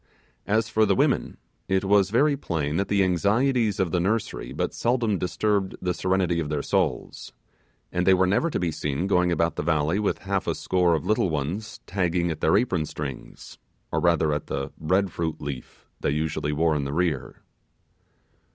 As for the women, it was very plain that the anxieties of the nursery but seldom disturbed the serenity of their souls; and they were never seen going about the valley with half a score of little ones tagging at their apron strings, or rather at the bread fruit leaf they usually wore in the rear.